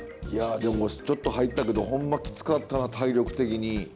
いやでもちょっと入ったけどホンマきつかったな体力的に。